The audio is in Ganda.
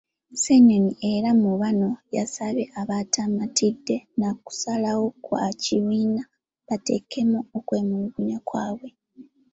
Ssenyonyi era mu bano yasabye abataamatidde na kusalawo kwa kibiina, bateekemu okwemulugunya kwabwe.